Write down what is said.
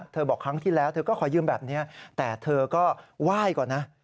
บอกครั้งที่แล้วเธอก็ขอยืมแบบนี้แต่เธอก็ไหว้ก่อนนะ